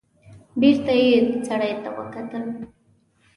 بېرته يې سړي ته وکتل.